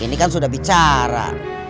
ini kan sudah bicara